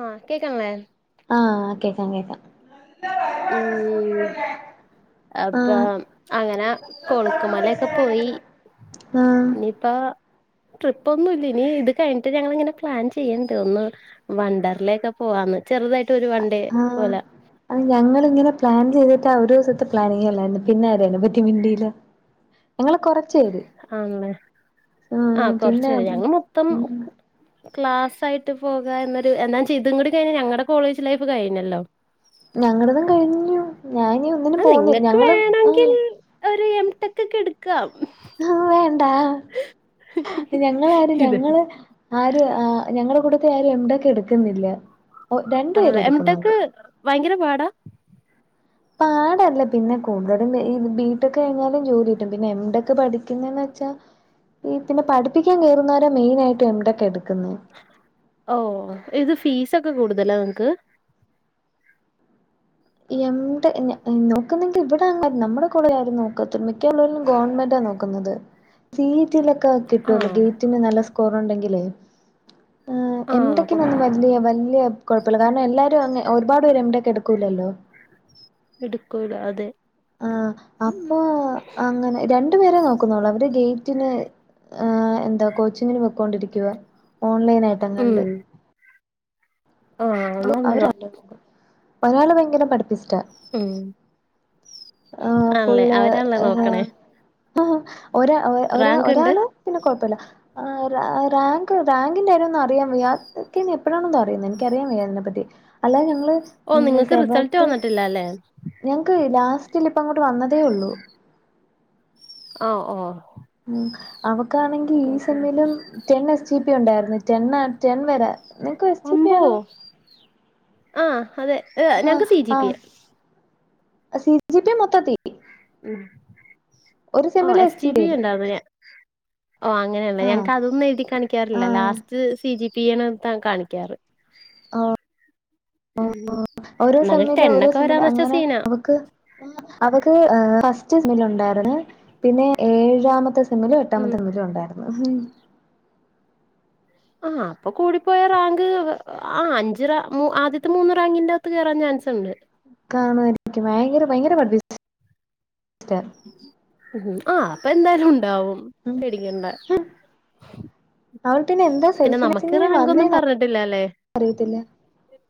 ആഹ് കേക്ക്ൾളേ ആഹ് കേക്കാം കേക്കാം ഉം അപ്പൊ ആഹ് അങ്ങനെ കൊളുക്കുമല ഒക്കെ പോയി ആഹ് ഇനിപ്പ ട്രിപ്പൊന്നും ഇല്ല ഇനി ഇത് കഴിഞ്ഞിട്ട് ഞങ്ങളിങ്ങനെ പ്ലാൻ ചെയ്യ്ണ്ട് ഒന്ന് വണ്ടർലേക്കെ പോവാന്ന് ചെർതായിട്ട് ഒരു വൺണ്ടേ ആഹ് പോലെ അത് ഞങ്ങളിങ്ങനെ പ്ലാൻ ചെയ്തിട്ട ഒരു ദിവസത്തെ പ്ലാൻ അല്ലായിരുന്നു പിന്നെ ആരേനു പറ്റി മിണ്ടീല്ല ഞങ്ങള് കൊറ ചെയ്ത് ആണല്ലേ ആ ആഹ് കൊറച്ച് പിന്നെ പേര് ഞങ്ങൾ മൊത്തം ഉം. ക്ലാസ് ആയിട്ട് പോക എന്നൊരു എന്താ ചെയ്തും കൂടി കഴിഞ്ഞ ഞങ്ങളുടെ കോളേജ് ലൈഫ് കഴിഞ്ഞല്ലോ? ഞങ്ങളതും. കഴിഞ്ഞു ഞാന്. ആ നിങ്ങക്ക് വേണമെങ്കിൽ ഒരു എം ടെക്ക് കെടുക്കാം. വേണ്ടാ ഞങ്ങളാരും ഇത് ഞങ്ങള്. ആര് ആ ഞങ്ങളടെ കൂട്ടത്തി ആരും എം ടെ ക്ക്. എടുക്കുന്നില്ല. ഓഹ് രണ്ടു ആഹ പേര് എംടെക് എടുക്കുന്നുണ്ട് ഭയങ്കര പാടാ പാട് ല്ല പിന്നെ കൂടുതലും ബീട്ടൊക്കെ കഴിഞ്ഞാലും ജോലി കിട്ടും പിന്നെ എംടൊക്കെ പഠിക്കുന്നന്ന്. വെച്ചാൽ ഈ പിന്നെ പഠിപ്പിക്കാൻ കയറുന്നവരെ മെയിനായിയിട്ട് എവിടെയൊക്കെ എടുക്കുന്ന്. ഓ ഇത് ഫീസ ഒക്കെ കൂടുതലാ നിങ്ങക്ക്. എം ടെ നോക്കുന്നെങ്കിൽ ഇവിടെങ്ങ നമ്മുടെ കൂടെ ആരും നോക്ക മിക്ക ഉുള്ളവരും ഗവൺമെന്റാ നോക്ക്. സീറ്റിലൊക്കെ കിട്ടുവല്ലോ ആഹ് ഗേറ്റിന് നല്ല സ്കോറ ഉണ്ടെങ്കിലേ. ആ ആഹ് എന്തൊക്കെ അപ്പൊ നന്ന് വലിയ വലിയ. കുഴപ്പമില്ല കാരണം എല്ലാരും അ ഒരുപാട് പേര് എം ടെ ക്ക് എടുക്കൂല്ലോ? എടുക്കുല അതെ ആഹ അപ്പൊ അങ്ങനെ രണ്ടുപേരെ നോക്കുന്നള്ളൂ അവര് ഗേറ്റിന്. എന്താ കോച്ചിങ്ങിന് വയ്ക്കൊണ്ടിരിക്ക ഓൺലൈൻ ആയിട്ട് അങ്ങണ്ട്. ഉം ആഹ് അവ നല്ലതാ ഒരാള് ഭയങ്കരം പഠിപ്പിസ്ററ. ഉം ആ ആണല്ലേ ഫുള്ള് അവരാണല്ലേ നോക്കണേ ഒരാ ഒരാ റാങ്ക് ഉണ്ട് ഒരാള്. പിന്നെ കൊഴ പല്ലൃ. ആ റാങ്ക് റാങ്കിന്റെ കാര്യം അറിയാം വ്യ എപ്പോഴാണോ അറിയുന്നത് എനിക്ക അറിയാം അതിനെ പറ്റി. അല്ലെ ഞങ്ങള്. ഓ ഉം നിങ്ങൾക്ക് റിസൾട്ട് സെവൻത് വന്നിട്ടില്ല അല്ലേ. ഞങ്ങക്ക് ലാസ്റ്റിൽ ഇപ്പ അങ്ങോട്ട് വന്നതേ ഉള്ളൂ. ആ ഓ ഉ അവക്കാണെങ്കിൽ ഈ സിനമയിലും ടെൻ എസ് ജി പി ഉണ്ടായിരുന്നു. ടെ ടെൻ വരെ നിങ്ങക്ക് എസ് ജി പി അമ്പു ആണോ ആഹ അതെ ഞങ്ങക്ക് സി ജി ആ ആ പിയാ സി ജി പി മൊത്തത്തിൽ. ഉ ഓ സെമ്മില് എസ് എസ്റ്റി ജി പി ബിയ വരും ഉണ്ടാ ആങ്ങനൊ ഓ അങ്ങനെയള്ള ആഹ് ഞങ്ങക്ക് അതൊന്നും എഴുതി കാണിക്കാറില്ല ആഹ് ലാസ്റ്റ് സി ജി പിണ് കാണിക്കാറ്. ആഹ് ഓ ഉം ഓരോ എന്നാലും സമ്മില് ഓരോ ടെണ്ണൊക്കെ സമ്മില് വരാന്ന് വെച്ചാ അങ്ങനെ സീനാ അവക്ക്. അവക്ക് ഫസ്റ്റ് ഉണ്ടായിരുന്നു പിന്നെ ഏഴാമത്തെ ഒന്നിലും എട്ടാമ ഉം തെമ്മിലു ഉണ്ടായിരുന്നു. ആ അപ്പൊ കൂടിപ്പോയ റാങ്ക് ആ അഞ്ച് റാ ആദ്യത്തെ മൂന്ന് റാങ്കിന്റെകത്ത് കേറാൻ ചാൻസ് ഇണ്ട്. കാണ [unintelligible] ഭയങ്കര ഭയങ്കര പഠ് പിസ്റ്റ ഉം ആ അപ്പൊ എന്തായാലും ഇണ്ടാവും പെടിക്കെണ്ട. അവള്ട്ടണെ എന്താ സെൽഫി [unintelligible] ത്തി വന്നേ ഒന്നും പറഞ്ഞിട്ടില്ല അല്ലേ അിയത്തില്ല.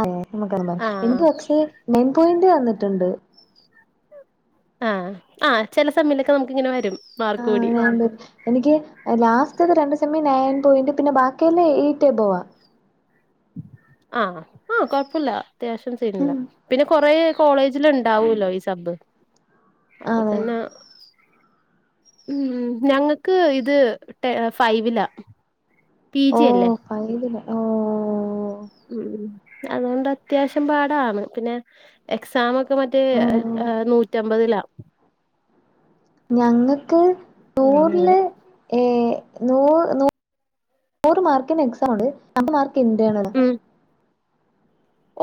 അതെ നമുക്ക [unintelligible] ആഹ് എനിക്ക്പക്ഷേ മയിൻ പോയിന്റ് വന്നിട്ട്ണ്ട്. ആഹ് ആഹ് ചെല സമയലൊക്കെ നമുക്ക് ഇങ്ങനെ വരും മാർക്ക് ആഹ് കൂലി. എനിക്ക് ലാസ്റ്റ്ത്തെ രണ്ടു സമയം നയൻ പോയെന്റും പിന്നെ ബാക്കിയല്ലാം ഏയ്റ്റാ പോവാ. ആഹ് ആഹ് കൊഴപ്പില്ല അത്യാവശ്യം സീനില്ല പിന്നെ കൊറേ കോളേജില് ഇണ്ടാവൂല്ലോ ഈ സബ് അപ്പൊ അതെ പിന്നെ. ഉം ഞങ്ങക്ക് ഇത് ഫൈവിലാ. പി ജി അല്ലേ പയന് ഓ ഉം അതോണ്ട് അത്യാവശ്യം പാടാണ്. പിന്നെ എക്സാ മൊക്കെ മറ്റേ ഉം ആഹ് നൂറ്റി അമ്പതിലാ ഞങ്ങക്ക് ടൂറ്ല് ഏ നു നു നൂറ് മാർക്കിന് എക്സാം ഉണ്ട് [unintelligible] മാർക്ക് ഇന്റേണല ഉം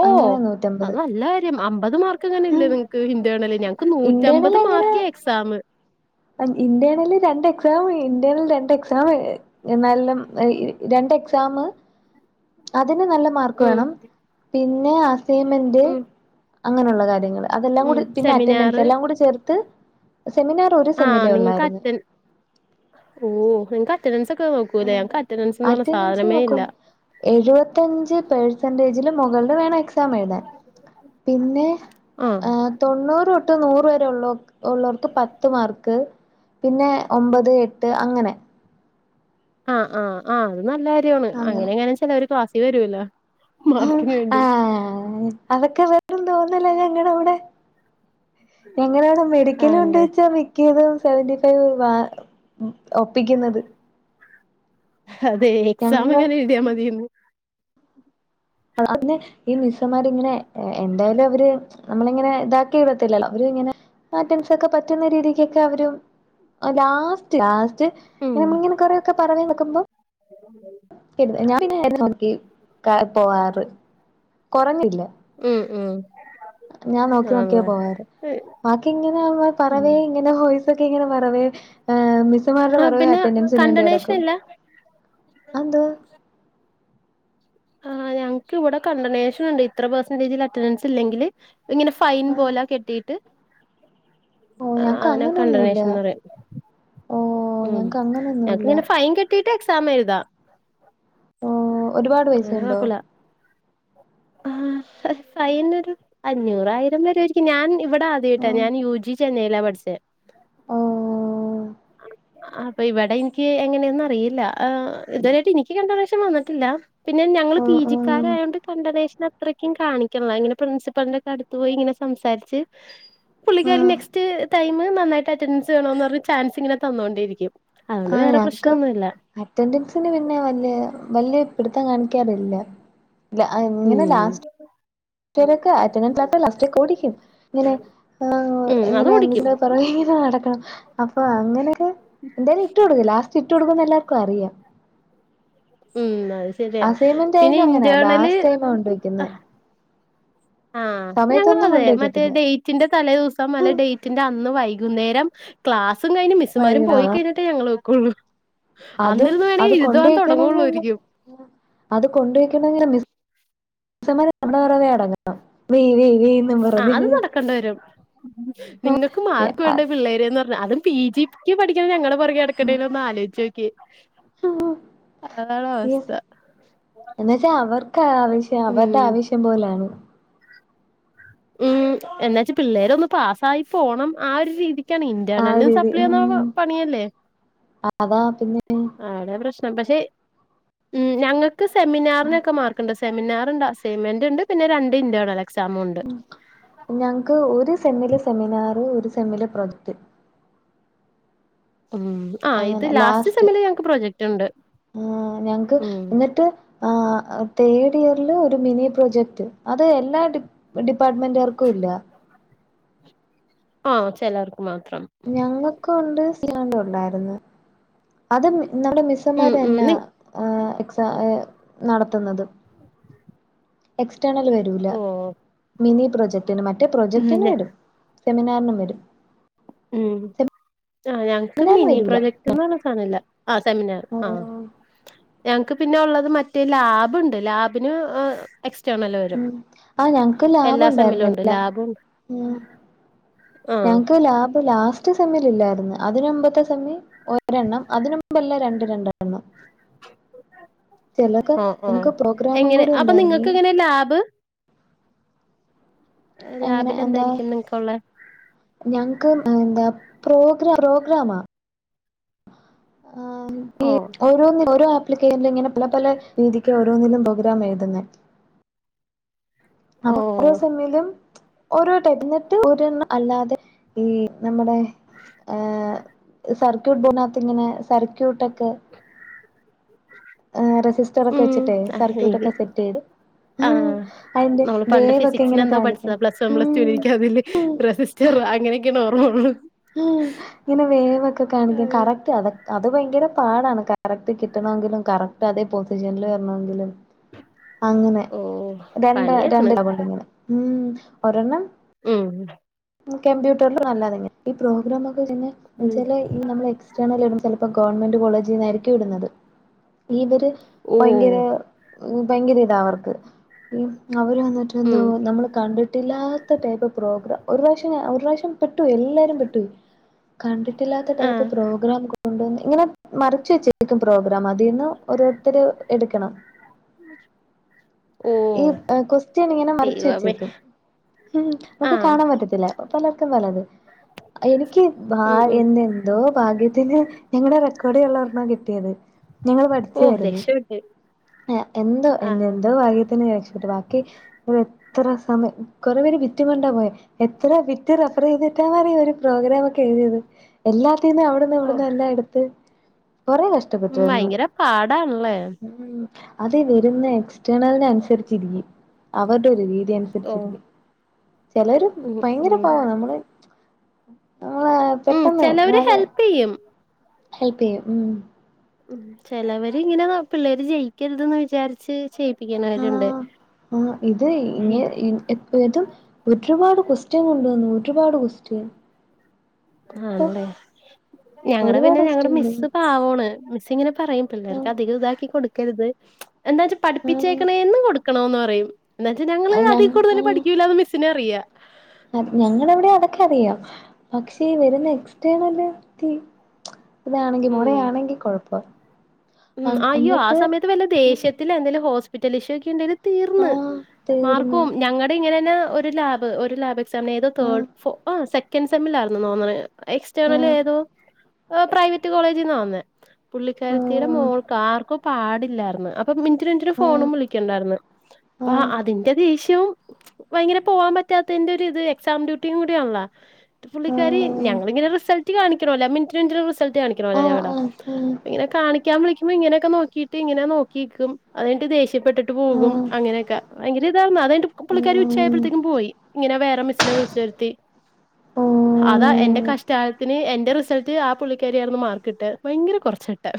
ഓ അങ്ങനെ അത് നൂറ്റമ്പത് നല്ല കാര്യം അമ്പത് മാർക്ക് അങ്ങനെ ഇല്ലേ നിങ്ങക്ക് ഇന്റേണലിന്. നൂറ്റമ്പത് മാർക്ക്യ എക്സാം. ഇന്റേണലിൽ രണ്ട് എക്സാം ഇന്റേനിൽ രണ്ട് എക്സാം. നല്ലം രണ്ട് എക്സാം അതിന് നല്ല മാ ഉം പിന്നെ അസൈമെന്റ് ഉം അങ്ങനുള്ള കാര്യങ്ങള് അതെല്ലാം ഉം കൂടി പിന്നെ അറ്റൻഡൻസ് സെമിനാറ് എല്ലാം കൂടി ചേര്ത്ത് അ ആഹ് നിങ്ങക്ക് അറ്റൻ ഓ നിങ്ങ അറ്റനൻസൊക്കെ നോ ക്കുലേ ഞങ്ങക്ക് അറ്റനൻസ് എന്ന് പറഞ്ഞ അറ്റൻഡൻസ് സാധനമേ ഇല്ല. നോക്കും എഴുപത്തഞ്ച് തേഹ്സെന്റേജില് മൊകള് ല് വേണം എക് തമഴതാൻ പിന്നെ ആഹ് തെണ്ണൂറ് തൊട്ട് നൂറ് വരെ ഉള്ള ഉള്ളോർക്ക് പത്ത് മാർക്ക്. പിന്നെ ഒമ്പത് എട്ട് അങ്ങനെ. ആഹ് ആഹ് ആ അത് നല്ല കാര്യാണ് അങ്ങനെ അങ്ങനെ ചെലവർ ക്ലാസ്സിൽ വരൂല്ല മാർക്കിന് വേണ്ടി ആഹ് അതൊക്കെ വെറും തോന്നല ഞങടെ ഇവടെ. ഞങ്ങളെവടെ മെഡിക്കല് കൊണ്ട് ആണല്ലേ വെച്ചാ ക്ക്യതും സെവന്റി ഫൈവ് ഒപ്പിക്കുന്നത്. അതെ എക്സാം ഞങ്ങള് ഇങ്ങനെ എഴുതിയാ മതീന്ന്. അന്നെ ഈ മിസ്സമാരിങ്ങനെ എന്തായാലും അവര് നമ്മള് ഇങ്ങനെ ഇതാക്കി ഇടത്തില്ലല്ലോ. അവര് ഇങ്ങനെ മാറ്റൻസൊക്കെ പറ്റുന്ന രീതീക്കൊക്കെ അവര് ലാസ്റ്റ് ലാസ്റ്റ് ഉം ഇങ്ങനെ കൊറേ ക്കെ പറ [unintelligible] നോക്കുമ്പോ [unintelligible] ഞന്നെ നോക്കി പോവാറ് കൊറഞ്ഞില്ല ഉം ഉം ഞാൻ നോക്കി നോക്ക്യാ ആണല്ലേ പോവാറ്. ബാക്കി ഇങ്ങനെ [unintelligible] മ്മ പറവേ ഉം ഇങ്ങെനെ ഹോയ്സൊക്കെ ഇങ്ങനെ പറവേ മിസ്സുമാരുടെ [unintelligible] ആഹ് റവേ പിന്നെ അറ്റന്റൻസി കണ്ടണേഷൻ വേണ്ടിടക്കും ഇല്ല അഎന്ത് ആ ഞങ്ങക്ക് ഇവടെ കണ്ടനേഷൻ ഉണ്ട്. ഇത്ര പേയ്സെന്റേജിൽ അറ്റൻഡൻസ് ഇല്ലെങ്കില് ഇങ്ങന ഫൈൻ ആഹ് പോല കെട്ടീട്ട്. ഓ ആ ഞങ്ങക്ക് അതിനെ അങ്ങനൊന്നുല്ല കണ്ടനേഷന്ന് പറയും ഓ ഉം ഞങ്ങക്ക് അങ്ങനൊന്നുല്ല ഞങ്ങക്കിങ്ങനെ ഫൈൻ കെട്ടിയിട്ട് എക്സാം എഴുതാം ഓഹ ഒരുപാട് പൈസുണ്ടോ? ആഹ ഫൈൻ ഒരു അഞ്ഞൂറായിരം വരെ ഞാൻ ഇവിടെ ആദ്യട്ടാ ആഹ് ഞാൻ യു ജി ചെന്നൈയില പഠിച്ചത് ആഹ... ആഹ അപ്പൊ ഇവിടെ എനിക്ക് എങ്ങനെയൊന്നും അറിയില്ല ഇതുവരായിട്ട് എനിക്ക് കണ്ടോനഷൻ വന്നിട്ടില്ല പിന്നെ ഞങ്ങള് പീ. ആഹ് ആഹ് ജിക്കാരായൊണ്ട് ഇന്ററനേഷൻ അത്രക്കും കാണിക്കണം ഇങ്ങനെ പ്രിൻസിപ്പലിന്റെ ഒക്കെ അടുത്ത് പോയി ഇങ്ങനെ സംസാരിച്ച് പുള്ളിക്കാർ ആഹ് നെക്സ്റ്റ് ടൈം നന്നായിട്ട് അറ്റൻഡൻസ് ചെയ്യണന്ന് പറഞ്ഞ ചാൻസ് ഇങ്ങനെ തന്നോണ്ടിരിക്കും ആഹ ഞങ്ങക്ക് അറ്റൻഡൻസിന് പിന്നെ വല്യ വല്യ പിടുത്തം കാണിക്കാറില്ല ഇങ്ങനെ ഉം ലാസ്റ്റ് [unintelligible] അറ്റെൻഡൻസ് ലാസ്റ്റക്കെ ഓടിക്കും ഇങ്ങനെ ആഹ ഉം അത് ഇങ്ങനെ ഓടിക്കും. [unintelligible] പുറകേങ്ങനെ നടക്കണം അപ്പൊ അങ്ങനൊക്കെ എന്തായാലും ഇട്ട് കൊടുക്ക ലാസ് ഇട്ട കൊടുക്കുന്ന എല്ലർക്കും അറിയാം ഉം അത് ശരിയാ അസൈൻമെന്റ് പിന്നെ ആയാലും അങ്ങനാ ഇന്റാണല് ലാസ്റ്റ് ടൈമാ കൊണ്ടോയ്ക്കുന്നെ ആഹ് സമയത്തൊന്നും ഞങ്ങളതെ മറ്റേ കൊണ്ടോയ്ക്കത്തില്ല ഡെയ്റ്റിന്റെ തലേദിവസം അല്ലെ ഡേറ്റിന്റെ അന്ന് വൈകുന്നേരം ക്ലാസുംകയിഞ്ഞ് മിസ്സ്‌മാര് ആഹ് പോയികഴിഞ്ഞിട്ടെ ഞങ്ങള് വെക്കുള്ളു അതും അന്നിരുന്ന് വേണേൽ അത് എഴുതാൻ കൊണ്ടോയ്ക്കണെങ്കി ഒന്ന് തൊടങ്ങള്ളൂരിക്കും അത് കൊണ്ടയ്ക്കണെങ്കില് മിസ് സ്സ്മാര് നമ്മുടെ വറതെ എടങ്ങണം വെയ് വെയ് വെ ന്ന് ആഹ് അത് നടക്കെണ്ടവരും നിങ്ങക്ക് മാർക്ക്‌വേണ്ടേ പിള്ളേരെന്ന്ർഞ്ഞാ അതും പി ജിക്ക് പഠിക്കണ ഞങ്ങള് പൊറകെനട്ക്കണ്ടേല് ഒന്ന് ആലോയ്ച്ചേക്കി [inaudible] എന്ന വച്ചാ അവർക്ക് ആവശ്യം അവരുടെ ഉം ആവശ്യം പോലാണ് ഉം എന്നാച്ച പിള്ളേരൊന്ന് പാസ്സായി പോണം ആ ഒരു രീതി ക്കെണ് ആ ഒരു ഇന്റെണെൽനും ഇത് ഉം സപ്ലിഒന്നാവുമ്പ പണിയല്ലേ അതാ പിന്നെ അടെ പ്രശ്നം പക്ഷെ ഉം ഞങ്ങക്ക് സെമിനാർനൊക്കെ മാർ ക്ക്ണ്ട് സെമിനാറ്ണ്ട് അസൈമെന്റ്ണ്ട് പിന്നെ രണ്ട് ഇന്റേണൽ എക്സാമും ഞങ്ങക്ക് ഒരു സെമ്മില് സെമിനാറ് ഒരു സെമ്മില് പ്രൊജക്ട് ഉ ആഹ ഇത് ലാസ്റ്റ് സെമ്മില് ഞങ്ങക്ക് പ്രൊജക്റ്റ് ണ്ട് ആഹ് ഞങ്ങക്ക് ഉം എന്നിട്ട് ആഹ് തേർഡ് ഇയർല് ഒരു മിനി പ്രൊജക്ട് അത് എല്ലാ ഡി ഡിപ്പാർട്ട്മെന്റാർക്കു ഇല്ല ആഹ് ചെലർക്ക് മാത്രം ഞങ്ങക്കൂണ്ട് സിയാണ്ട ഉണ്ടായിരുന്നു അത് നമ്മുടെ ഉം ഉം മിസ്സമാരന്നാ നി ആഹ് എക്സ ഏ നടത്തുന്നത് [unintelligible] എക്സ്റ്റേർണൽ വരൂല ഓ മിനി പ്രൊജക്റ്റന് മറ്റേ ഉം പ്രൊജക്റ്റന് ഞ വരും സെമിനാർനും വരും ഉം ആഹ് ഞങ്ങക്ക് സെമിനാറിന് മിനി വരൂല പ്രൊജക്ട്ന്നർഞ്ഞ സാനല്ല ആ സെമിനാറ് ആഹ് ഞങ്ങക്ക് പിന്നെ ഉള്ളത് മറ്റേ ലാബ്ണ്ട് ലാബിന് എക്സ്റ്റേണൽ വരും ഉം ആഹ് ഞങ്ങക്ക് എല്ലാ സെമ്മിലും ഉണ്ട് ലാബുഉണ്ടായിരുന്നില്ല ലാബും ആ ഞങ്ങക്ക് ലാബ് ലാസ് റ്റ് സെമ്മിലില്ലായിരുന്നു അതിനുമ്പത്തെ സെമ്മി ഒരെണ്ണം അതിനുമ്പല്ല രണ്ടരണ്ടാണ് എണ്ണം ചെലർക്ക് ഓ ഓ നമുക്ക് എങ്ങനെ പ്രോഗ്രാമുംകൂടി അപ്പൊ ഉണ്ടായിരുന്നേ നിങ്ങൾക്ക് എങ്ങനെ ലാബ് എങ്ങനെ എന്താ ലാബിലന്തായിരിക്കും നിങ്ങക്കുള്ളെ ഞങ്ങക്ക് എന്താ പ്രോഗ്ര പ്രോഗ്രാമാ ആഹ് ഓ ഇഹ ഒരോന്ന് ഒരോ ക്കില്കേന്ന് ഇങ്ങനെ പല പല രീതിക്ക് ഓരോന്നിനും പോഗ്രാം എഴുതുന്നെ അപ്പൊ ഓ ഓരോ സെമ്മിലും ഓരോടൈപ് ന്നട്ട് ഒരെണ്ണം അല്ലാതെ ഈ നമ്മുടെ ഏഹ് സർക്യൂട്ട് ബോന്നത്ത് ഇങ്ങനെ സർക്യൂട്ട ഒക്കെ ഏഹ് റെസിസ്റ്റർ ഒക്കെ ഉം വെച്ചിട്ടേ അഹ് എനി സർക്യൂട്ടൊക്കെ സെറ്റ് ചെയ്ത് ആഹ് അതിന്റെ നമ്മള് പണ്ട് വേവൊക്കെ ഇങ്ങനെ ഫിസിക്സിനെന്തോ കാണിക്കും പഠിച്ചതാ പ്ലസ് വൺ പ്ലസ് ടുവിന് ഉം എനിക്ക് അതില് റെസിസ്റ്റർ അങ്ങനെയൊക്കെണ് ഓർമ്മഒള്ളൂ ഉം ഹെ ഇങ്ങനെ വേവൊക്കെ കാണിക്കൻ കറക്റ്റ് അതൊ അത് ഭയങ്കര പാടാണ് കറക്റ്റ് കിട്ടണമെങ്കിലും കറക് ട്ടതേ പൊസിഷൻൽ വര്ണെങ്കിലും അങ്ങനെ ഓ രണ്ട് പണിയാണ് രണ്ട്ലാബുണ്ട് ഇങ്ങനെ ഉം ഒരെണ്ണം ഉം കമ്പ്യൂട്ടറലും നല്ലതന്നെ ഈ പ്രോഗ്രാം ഒക്കെ പിന്നെന്ന് ഉം വെച്ചാല് ഈ നമ്മെളെക്സ് എക്സ്റ്റേണല് എഴുതുമ്പ ചെലപ്പം ഗവൺമെന്റ് കോളേജിന്ന് എറക്കിവിടുന്നത് ഇവര് ഓ ഭയങ്കര ഭയങ്കര ഇതാ അവർക്ക് അവര് വന്നിട്ട് എന്തോ ഉം നമ്മൾ കണ്ടിട്ടില്ലാ ത്ത ടൈപ്പ് പ്രോഗ്രാം ഒരുപ്രവ്ശ്യം ഞാ ഒരു പ്രാവിശ്യം പെട്ടൊയി എല്ലാരും പെട്ട് പോയി. കണ്ടിട്ടില്ലാത്ത ടൈപ്പ് ആഹ് പ്രോഗ്രാമൊക്കെ കൊണ്ട് ഇങ്ങനെ മറച്ച് വെച്ചരിക്കും പ്രോഗ്രാം അതീന്ന് ഓരോരുത്തര് എടുക്കണം ഓ ഈ കൊസ്റ്റ്യനിങ്ങനെ മറിച്ച് ദൈവമേ വെച്ചേക്കും ഉം മ്മക്ക് ആഹ് കാണ പറ്റത്തില്ല പലർക്കും പലത് എനിക്ക് ഭ ഉം ഉം എന്തെന്തോ ഭാഗ്യത്തിന് ഞങ്ങളടെ റെക്കോർഡ് ചെയ്യാനുള്ള ഒരെണാ കിട്ടിയത് ഞങ്ങള്ൾ ഓ പഠിച്ചായിരുന്നു രക്ഷപ്പെട്ട് എന്തോ ആഹ് എന്തോ ഭാഗ്യത്തിന് രക്ഷപ്പെട്ട് ബാ എത്ര സമയം കൊറെ പേര് ബിറ്റും കൊണ്ടാ പോയേ എത്ര വിറ്റ് റഫർ ചെയ്തിട്ടാ ന്ന് അറിയോ അവർ ഒരു പ്രോഗ്രാം ഒക്കെ എഴുതിയത് എല്ലാത്തിനും അവിടുന്ന് ഓ ഇവിടന്ന് എല്ലാം എടുത്ത് കൊറെ കഷ് ഉം ട്ടപ്പെട്ടായിരുന്നു. ഭയങ്കര പാടാണല്ലേ ഉ അതെ വരുന്ന എക്സ്റ്റേണലിന അനുസരിച്ചിരിക്കും അവരുടെ ഒരു രീതി അനുസരിച്ച് ഓ ഇരിക്കുംചിലര് ഉം ഭയങ്കര ഉം പാവ നമ്മള് നമ്മള് ഉം പെട്ടെന്ന് ചെലവര് അതെ ഹെൽപ് ചെയ്യും ഹെൽപ്പ് ചെയ്യും ഉം ഉ ചിലവര് ഇങ്ങനെ പിള്ളേര് ജയിക്കരുതന്ന് വിചാരിച്ച് ചെയ് ആഹ് ഇത് അയ്യോ ഇങ്ങനെ ഇ ഏതും ഒരുപാട് കൊസ്റ്റ്ൻ കൊണ്ടുവന്നു ഒരുപാട് കൊസ്റ്റൻ ആണല്ലേ ഞങ്ങളടെ പിന്നെ ഒരുപാട് ഞങ്ങളടെ ക്വസ്റ്റ്യൻ മിസ്സ് കൊണ്ടുവന്നു പാവാണ് മിസ്സ് ഇങ്ങനെ പറയും പിള്ളേർക്ക് അധികം ഇതാക്കി കൊടുക്കരുത് എന്താ വെച്ചാ ആഹ് പഠപ്പിച്ചേക്കണന്ന് കൊടു ണന്ന് പറയും എ എന്നാ വച്ചാൽ ഞങ്ങള്ൾ ആഹ് അതിൽ കൂടുതൽ പഠിക്കൂല്ല എന്ന് മിസ്സിനറിയാം ഞങ്ങള എവിടെ അതൊക്കെ അറിയാം പക്ഷേ ഇ വരെ നെക്സ്റ്റ്ണല്ത്തി ഇതാണെങ്കി ഉം മൊട്ടആണെങ്കി കൊഴപ്പ അ ഉം അയ്യോ ആ എന്നിട്ട് സമയത്ത് വല്ല ഉം ദേശത്തിൽ എന്തെങ്കിലും ഹോസ്പിറ്റല് ഇഷ്യു ക്കെ ഉണ്ടെങ്കില് തീർന്ന് ആഹ് മാർക്ക് തീർന്ന് പോവും ഞങ്ങളുടെ ഇങ്ങനെന്നെ ഒരു ലാബ്ഒരു ലാബ് എക്സാമിന് ഏതോ തേട് ആഹ് ഫോം ആ സെക് സെക്കന്റ് സെമ്മിലാണ്ആണ് നാ തോന്നണെ എക്സ്റ്റേണൽ ആഹ് ഏതോ പ്രൈവറ്റ് കോളേജ്ന്ന് വന്നെ പുള്ളിക്കാരത്തിടെ ആഹ് മോൾക്ക് ആർക്കോ പാടില്ലായിരുന്ന് അപ്പൊ മിനിറ്റ് ന് മിനിറ്റിന് ഫോണും വിളിക്കണ്ടായിന്ന് ആഹ് അപ്പ അതിന്റെ ദേഷ്യവും ഭയങ്കര പോവാൻ പറ്റാത്തതിന്റെ ഒരു ഇത് എക്സാം ഡ്യൂട്ടിയും കൂടി ആണല്ലോ പുള്ളിക്കാരി ആഹ് ഞങ്ങളിങ്ങനെ റിസൾട്ട് കാണിക്കണല്ലോ മിൻറ്റിന് മിൻറ്റിന് റിസ് സൽട്ട് ആഹ് കാണിക്കണോല്ലോഞങ്ങടെ ആഹ് ആഹ് ഉം ഇങ്ങനെ കാണിക്ക ക്കാംവിളിക്കുമ്പോ ഇങ്ങനൊക്കെ നോക്കീട്ട് ഇങ്ങനെഒക്കെ നോക്കിക്കും അന്നട്ട് ദേഷ് ഇപ്പെട്ടിട്ട് പോകും ആഹ് അങ്ങനെയൊക്കെ പയങ്ക ര ഇതാ യിരുന്നുഅത് കഴിഞ്ഞിട്ട് പുള്ളിക്കാരി ഉം ഉച്ചയായപ്പോഴേക്കും പോയി ഇങ്ങനെ വേറെ മിസ് നെ വിളിച്ചു വരത്തി അതാ എന്റെ ഓഹ് കഷ്ടകാലത്തിന് എന്റെ റിസൽ ത് ആ പുള്ളിക്കാരി ആയിന്ന് മാർക്കിട്ടെ ഭയങ്കര കുറച്ചാട്ടെ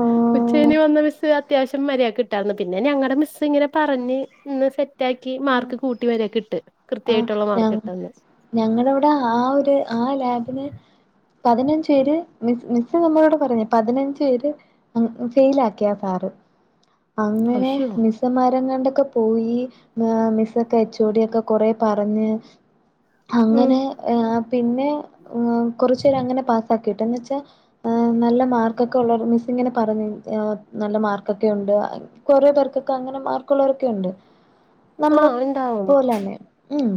ആഹ് ഉച്ചയിഞ്ഞ് വന്ന മിസ്സ് അത്യാവശ്യം മര്യാദ കിട്ടായിരുന്നു പിന്നെ ഞങ്ങളുടെ മിസ്സ് ഇങ്ങനെ പറഞ്ഞ് ഇന്ന് സെറ്റ് ഇറ്റാക്കി മാർക്ക് കൂട്ടി മര്യക്ക്ട്ട് കൃത്യമായിട്ടുള്ള മാർക്ക് കിട്ടന്ന്. ഞങ്ങളവിടെ ആ ഒരു ആ ലാബിന് പതിനഞ്ച് പേര് മിസ് മിസ്സ് നമ്മളോട് പറഞ്ഞ് പതിനഞ്ച് പേര് ഫെയിൽ ആക്കിയാ സാറ് അങ്ങനെ അശ്യോ മിസ്സ മരം കണ്ടൊക്കെ പോയി മിസ്സൊക്കെ അച്ചോടിയൊക്കെ കൊറെ പറഞ് ഉം അങ്ങനെ പിന്നെ കൊറച്ച് പേര അങ്ങനെ പാസാക്കിയിട്ട എന്ന് ച്ചാൽ നല്ല മാർക്കൊക്കെ ഉള്ള മിസ് ഇങ്ങനെ പറഞ്ഞു നല്ല മാർക്കൊക്കെ ഉണ്ട് കൊറെേ പേർക്കൊക്കെ അങ്ങനെ മാർക്കള്ളവരൊക്കെ ഉണ്ട് നമ്മള ആഹ് ഇണ്ടാവും പോലെന്നെ ഉം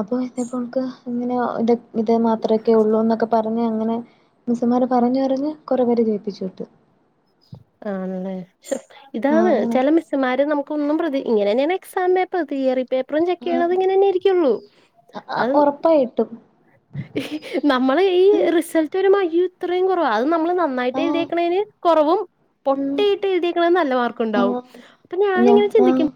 അപ്പൊ ഇപ്പോക്ക് ഇങ്ങനെ ഇത ഇത് മാത്രക്കെ ഒള്ളൂ എന്നൊക്കെ പറഞ്ഞ് അങ്ങനെ മിസന്മാര് പറഞ് പറഞ്ഞ് കുറെ പേരെ ജയിപ്പിച്ച്ട്ട് ആണല്ലേ ആ ഇതാണ് അങ്ങനെ ചെല മിസ്സ് മാര് നമുക്കൊന്നും പ്രതി ഇങ്ങനെ തെയാണ് എക്സാമെ പേപ്പർ തിയറി പേപ്പറും ചെക്ക് ആ ചെയ്യണത് ഇങ്ങനെ തന്നൊയിരിക്കൊള്ളൂ അത് പി ഉപ്പ ഇട്ടും നമ്മള് ഈ റിസൾട്ട്രെമായി ഇത്രയും കൊറവ അത് നമ്മള് നന്നായിട്ട് ആഹ് എഴുതിക്കണതിന് കൊറവും ഉം പൊട്ടിയിട്ട് എഴുതിക്കണ നല്ല മാർക്കു ണ്ടാവും ആഹ് അപ്പൊ ഞാ ഞാനിങ്ങനെ ചിന്തിക്കും ആഹ്